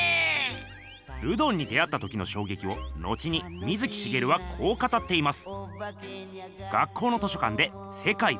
ルドンに出会った時のしょうげきを後に水木しげるはこう語っています。